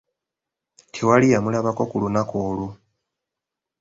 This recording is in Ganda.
Tewali yamulabako ku lunaku olwo.